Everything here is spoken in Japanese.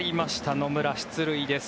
野村、出塁です。